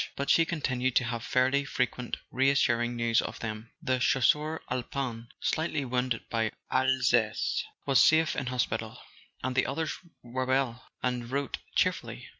but she continued to have fairly frequent reassuring news of them. The Chasseur Alpin , slightly wounded in Alsace, was safe in hospital; and the others were well, and wrote cheer¬ fully.